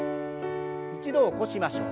一度起こしましょう。